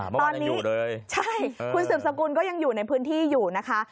เมื่อวานยังอยู่เลยใช่คุณสืบสกุลก็ยังอยู่ในพื้นที่อยู่นะคะ